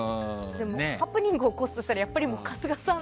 ハプニングを起こすとしたらやっぱり春日さん。